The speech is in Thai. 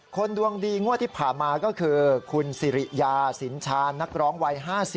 ดวงดีงวดที่ผ่านมาก็คือคุณสิริยาสินชาญนักร้องวัย๕๐